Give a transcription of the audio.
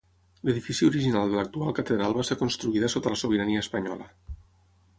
L'edifici original de l'actual catedral va ser construïda sota la sobirania espanyola.